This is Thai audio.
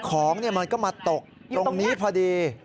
ของมันก็มาตกตรงนี้พอดี